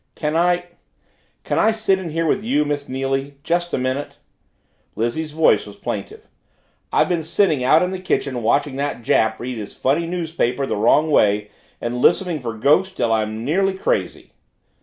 "Can I can I sit in here with you, Miss Neily, just a minute?" Lizzie's voice was plaintive. "I've been sitting out in the kitchen watching that Jap read his funny newspaper the wrong way and listening for ghosts till I'm nearly crazy!"